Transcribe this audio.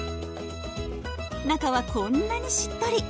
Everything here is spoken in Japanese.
中はこんなにしっとり。